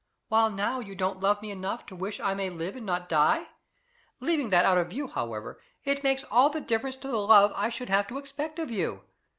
"While now you don't love me enough to wish I may live and not die! Leaving that out of view however, it makes all the difference to the love I should have to expect of you.